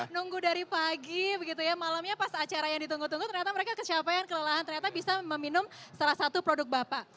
nunggu dari pagi begitu ya malamnya pas acara yang ditunggu tunggu ternyata mereka kecapean kelelahan ternyata bisa meminum salah satu produk bapak